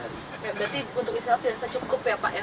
berarti untuk isi alat tidak cukup ya pak ya